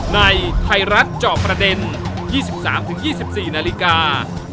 ในไทยรัฐเจาะประเด็น๒๓๒๔นาฬิกา